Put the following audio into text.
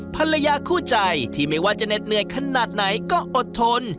ภรรยาคู่ใจที่ไม่ว่าจะเหน็ดเหนื่อยขนาดไหนก็อดทน